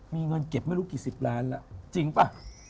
มีเงินเก็บไม่รู้เกี่ยวกิจสิบล้านล่ะจริงป่ะ